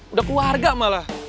udah keluarga malah